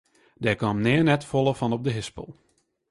Dêr kaam nea net folle fan op de hispel.